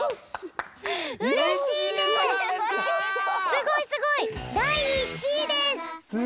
すごいすごい！だい１いです！